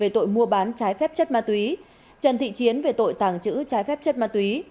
về tội mua bán trái phép chất ma túy trần thị chiến về tội tàng trữ trái phép chất ma túy